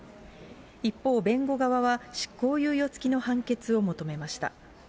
一方、弁護側は、執行猶予付きの判決を求めました。